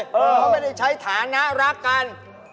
เขาไม่ได้ใช้ฐานะรักกัน